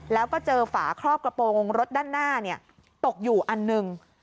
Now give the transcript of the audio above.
แล้วก็เจอฝาครอบกระโปรงรถด้านหน้าตกอยู่อันหนึ่ง